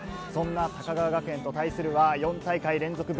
そんな高川学園と対するは、４大会連続